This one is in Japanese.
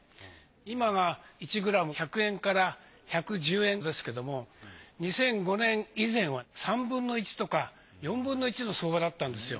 今が１ｇ１００円から１１０円ですけども２００５年以前は３分の１とか４分の１の相場だったんですよ。